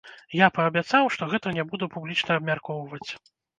Я паабяцаў, што гэта не буду публічна абмяркоўваць.